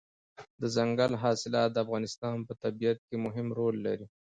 دځنګل حاصلات د افغانستان په طبیعت کې مهم رول لري.